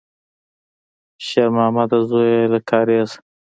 شېرمامده زویه، له کارېزه!